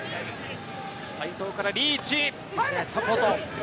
齋藤からリーチ。